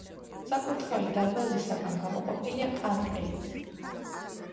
საკურთხეველი დარბაზისაგან გამოყოფილია კანკელით.